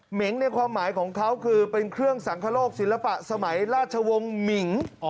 เหงในความหมายของเขาคือเป็นเครื่องสังคโลกศิลปะสมัยราชวงศ์หมิง